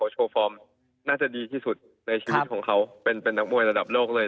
โชว์ฟอร์มน่าจะดีที่สุดในชีวิตของเขาเป็นนักมวยระดับโลกเลย